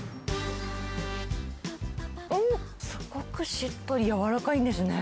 うん、すごくしっとり、柔らかいんですね。